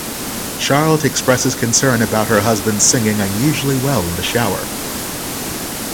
Charlotte expresses concern about her husband singing unusually well in the shower.